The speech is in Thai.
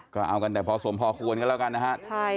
ก็เอากันแต่พอสมพอควรก็แล้วกันนะครับ